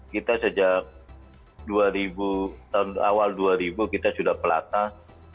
kita sejak awal dua ribu kita sudah pelatnas